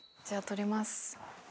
じゃあ取ります。